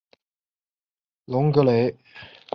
隆格雷。